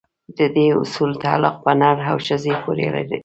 د دې اصول تعلق په نر او ښځې پورې دی.